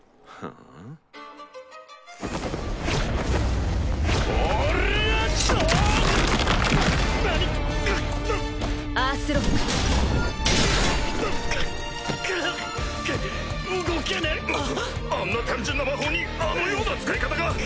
あんな単純な魔法にあのような使い方が！